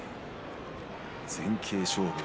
前傾で勝負。